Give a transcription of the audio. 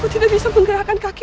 tidak ada impian pak